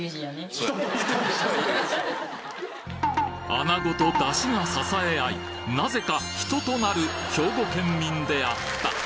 穴子と出汁が支え合いなぜか人となる兵庫県民であった